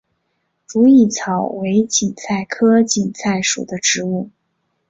如意草为堇菜科堇菜属的植物。